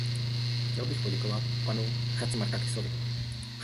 Chtěl bych poděkovat panu Chatzimarkakisovi.